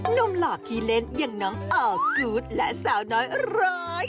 หล่อขี้เล่นอย่างน้องออกูธและสาวน้อยร้อย